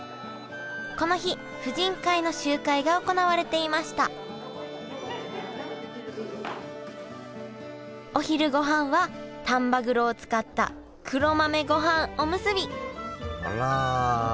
この日婦人会の集会が行われていましたお昼ごはんは丹波黒を使った黒豆ごはんおむすびあら。